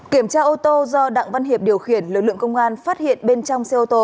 kiểm tra ô tô do đặng văn hiệp điều khiển lực lượng công an phát hiện bên trong xe ô tô